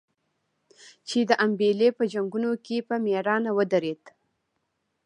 چې د امبېلې په جنګونو کې په مړانه ودرېد.